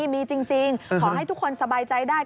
มีจริงขอให้ทุกคนสบายใจได้